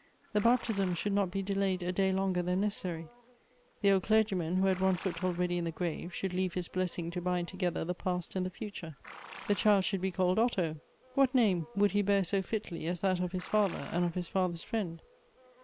The baptism should not be delayed a day longer than necessary. The old clergy man, who bad one foot already in the grave, should leave his blessing to bind together the past and the future. The child should be called Otto ; wh.at name would he bear so fitly as that of his father and of his father's friend